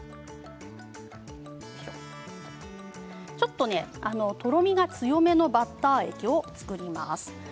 ちょっととろみが強めのバッター液を作ります。